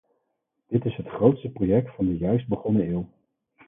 Dit is het grootste project van de juist begonnen eeuw.